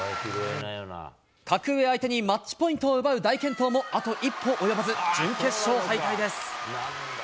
格上相手にマッチポイントを奪う大健闘も、あと一歩及ばず、準決勝敗退です。